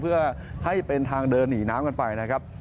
เพื่อให้เป็นทางเดินหนีน้ำกันไปนะครับ